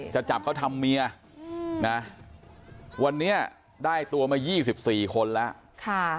จะจับเขาทำเมียอืมนะวันนี้ได้ตัวมายี่สิบสี่คนแล้วค่ะ